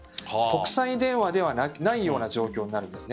国際電話ではないような状況になるんです。